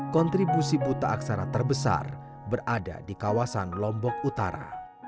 kontribusi buta aksara terbesar berada di kawasan lombok utara